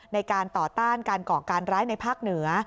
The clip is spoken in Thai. ในการต่อต้านการก่อการร้ายในภาคเหนือ